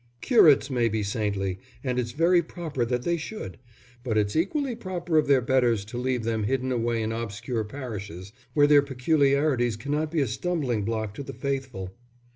Curates may be saintly, and it's very proper that they should; but it's equally proper of their betters to leave them hidden away in obscure parishes where their peculiarities cannot be a stumbling block to the faithful.